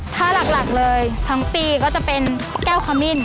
ถ้าหลักเลยทั้งปีก็จะเป็นแก้วขมิ้น